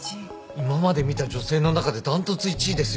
今まで見た女性の中で断トツ１位ですよ。